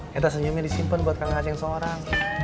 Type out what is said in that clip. kita senyumnya disimpen buat kang acing seorang